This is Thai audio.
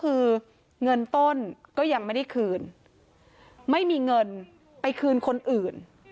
คือเงินต้นก็ยังไม่ได้คืนไม่มีเงินไปคืนคนอื่น